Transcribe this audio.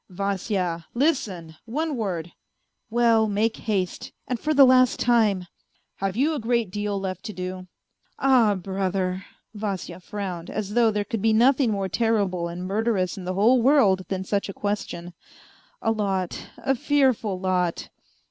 " Vasya ! listen ! one word ..."" Well, make haste, and for the last time." " Have you a great deal left to do ?"" Ah, brother !" Vasya frowned, as though there could be nothing more terrible and murderous in the whole world than such a question. " A lot, a fearful lot."